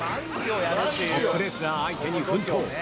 トップレスラー相手に奮闘。